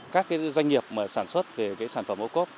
các doanh nghiệp sản xuất về sản phẩm ô cốp